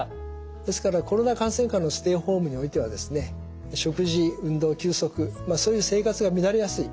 ですからコロナ感染下のステイホームにおいてはですね食事運動休息そういう生活が乱れやすい。